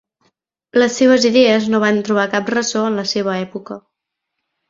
Les seves idees no van trobar ressò en la seva època.